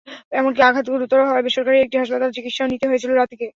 এমনকি আঘাত গুরুতর হওয়ায় বেসরকারি একটি হাসপাতালে চিকিৎসাও নিতে হয়েছিল রতিকে।